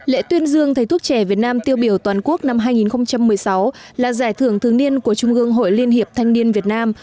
lễ tuyên dương thầy thuốc trẻ việt nam tiêu biểu toàn quốc năm hai nghìn một mươi sáu là giải thưởng thường niên của trung ương hội liên hiệp thanh niên việt nam